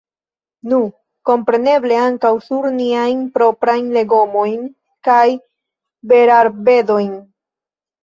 Nu, kompreneble ankaŭ sur niajn proprajn legomojn kaj berarbedojn.